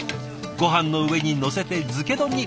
ごはんの上にのせて漬け丼に。